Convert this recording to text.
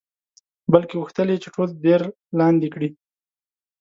بلکې غوښتل یې چې ټول دیر لاندې کړي.